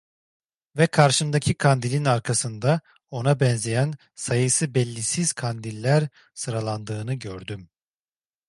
Ve karşımdaki kandilin arkasında, ona benzeyen sayısı bellisiz kandiller sıralandığını gördüm.